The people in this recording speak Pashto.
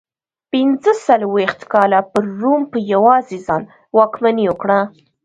پنځه څلوېښت کاله پر روم په یوازې ځان واکمني وکړه.